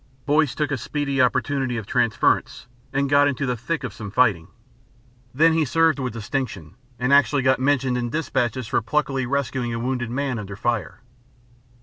Boyce took a speedy opportunity of transference, and got into the thick of some fighting. Then he served with distinction and actually got mentioned in dispatches for pluckily rescuing a wounded man under fire.